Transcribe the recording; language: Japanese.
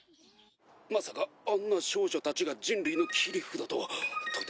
まさかあんな少女たちが人類の切り札とは。